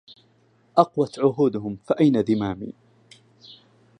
أقوت عهودهم فأين ذمامي